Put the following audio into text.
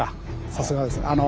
さすがです。